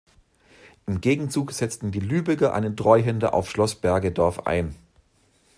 Im Gegenzug setzten die Lübecker einen Treuhänder auf Schloss Bergedorf ein.